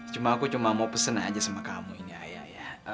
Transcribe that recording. cuma aku cuma mau pesen aja sama kamu ini ayah ya